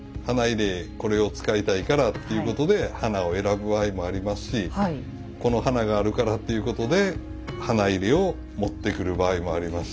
花入これを使いたいからっていうことで花を選ぶ場合もありますしこの花があるからっていうことで花入を持ってくる場合もありますし。